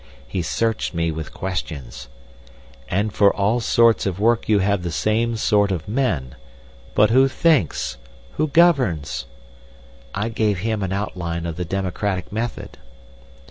He searched me with questions. 'And for all sorts of work you have the same sort of men. But who thinks? Who governs?' "I gave him an outline of the democratic method.